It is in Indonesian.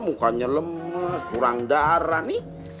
mukanya lemas kurang darah nih